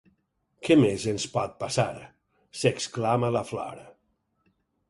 Què més ens pot passar? —s'exclama la Flor.